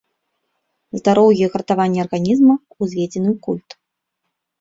Здароўе і гартаванне арганізма ўзведзены ў культ.